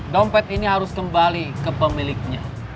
dompet ini harus kembali ke pemiliknya